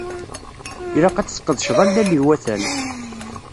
Ilaq ad tesqedceḍ allal iwatan.